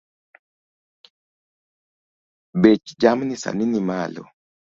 Bech jamni sani ni malo